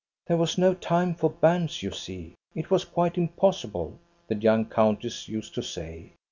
" There was no time for banns, you see. It was quite impossible," the young countess used to say.